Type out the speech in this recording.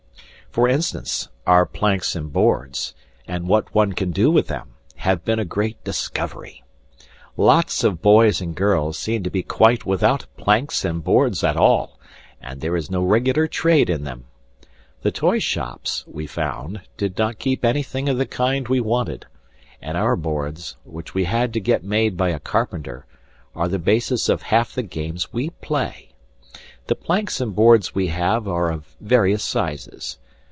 For instance, our planks and boards, and what one can do with them, have been a great discovery. Lots of boys and girls seem to be quite without planks and boards at all, and there is no regular trade in them. The toyshops, we found, did not keep anything of the kind we wanted, and our boards, which we had to get made by a carpenter, are the basis of half the games we play. The planks and boards we have are of various sizes.